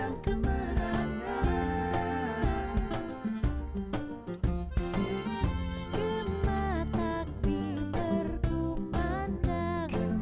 mabaran telah tiba sahabat pun datang